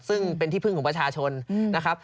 ซึ่งเป็นที่พึ่งของประชาชนนะครับ